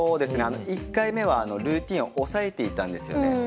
１回目はルーティンを抑えていたんですよね。